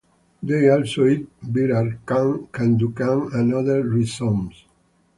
They also eat BirarKand, Kadukand and other rhizomes.